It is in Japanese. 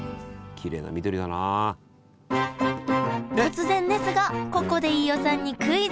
突然ですがここで飯尾さんにクイズ！